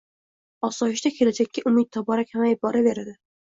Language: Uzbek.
osoyishta kelajakka umid tobora kamayib boraveradi.